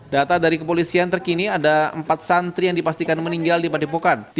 data dari kepolisian terkini ada empat santri yang dipastikan meninggal di padepokan